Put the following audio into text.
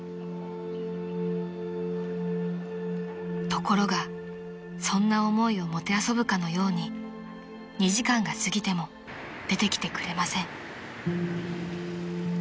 ［ところがそんな思いをもてあそぶかのように２時間が過ぎても出てきてくれません］